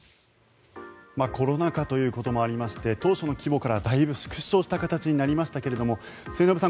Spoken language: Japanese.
コロナ禍ということもありまして当初の規模からだいぶ縮小した形になりましたが末延さん